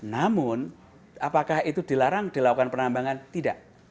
namun apakah itu dilarang dilakukan penambangan tidak